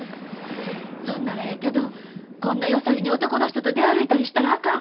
そんならええけどこんな夜さりに男の人と出歩いたりしたらあかん。